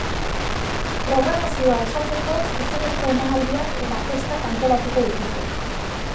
Programazioa osatzeko zuzeneko emanaldiak eta festak antolatuko dituzte.